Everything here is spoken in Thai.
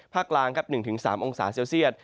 ภาคลาล๑๓องศาเซียด